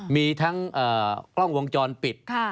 มีทั้งกล้องวงจรปิด